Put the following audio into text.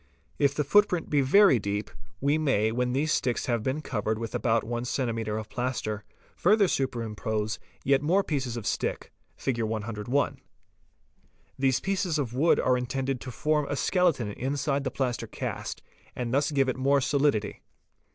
If the footprint be very deep, we may when these sticks have been covered with about one centimeter of plaster, further SV _ superimpose yet more pieces of stick; Fig. 101. These pieces of wood are intended to form a skeleton inside the plaster cast and thus to give it more solidity.